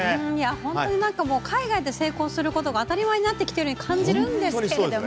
本当になんかもう海外で成功することが当たり前になってきてるように感じるんですけれども。